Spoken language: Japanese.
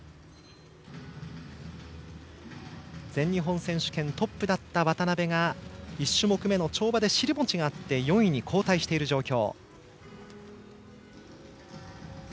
全日本選手権トップだった渡部が１種目めの跳馬で尻餅があって４位に後退している状況。